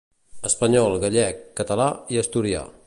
Espanyol, gallec, català i asturià.